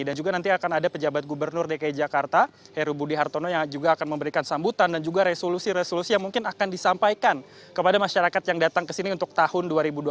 dan juga nanti akan ada pejabat gubernur dki jakarta heru budi hartono yang juga akan memberikan sambutan dan juga resolusi resolusi yang mungkin akan disampaikan kepada masyarakat yang datang kesini untuk tahun dua ribu dua puluh tiga